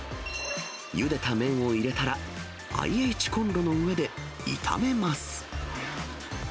ゆでた麺を入れたら、ＩＨコンロの上で炒めます。